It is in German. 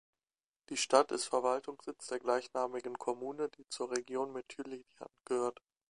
Die Stadt ist Verwaltungssitz der gleichnamigen Kommune, die zur Region Midtjylland gehört.